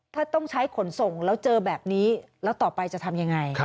ถ้าต้องใช้ขนส่งแล้วเจอแบบนี้แล้วต่อไปจะทำยังไง